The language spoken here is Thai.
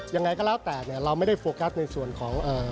ยังไงก็แล้วแต่เนี่ยเราไม่ได้โฟกัสในส่วนของ